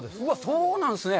そうなんですね。